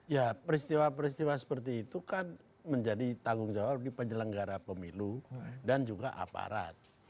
ya peristiwa peristiwa seperti itu kan menjadi tanggung jawab di penyelenggara pemilu dan juga aparat